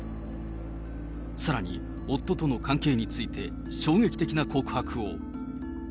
さらに、夫との関係について、衝撃的な告白を。